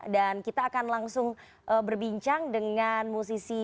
dan kita akan langsung berbincang dengan musisi